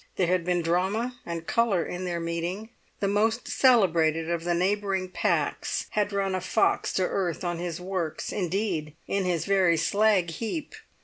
There had been drama and colour in their meeting; the most celebrated of the neighbouring packs had run a fox to earth on his works, indeed in his very slag heap!